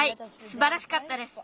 すばらしかったです。